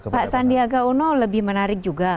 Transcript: pak sandi agak uno lebih menarik juga